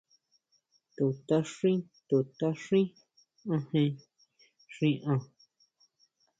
To tʼaxín, to tʼaxín ajen xi an.